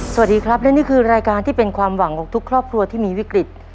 สวัสดีครับและนี่คือรายการที่เป็นความหวังของทุกครอบครัวที่มีวิกฤต